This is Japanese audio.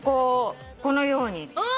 このように。